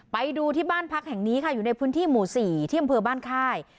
ไปดูที่บ้านพักแห่งนี้ค่ะอยู่ในพื้นที่หมู่๔ที่อำเภอบ้านค่าย